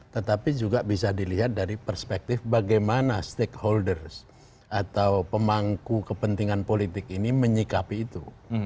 tetapi juga bisa dilihat dari perspektif bagaimana stakeholders atau pemangku kepentingan politik ini menyikapi itu